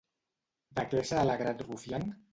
De què s'ha alegrat Rufián?